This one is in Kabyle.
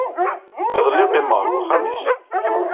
Iḍelli, qimeɣ deg uxxam-is.